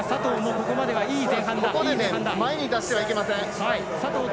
ここで前に出してはいけません。